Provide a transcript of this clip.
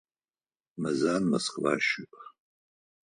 Мэзан Москва щыӏ.